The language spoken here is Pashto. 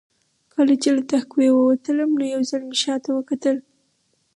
کله چې له تهکوي وتلم نو یو ځل مې شا ته وکتل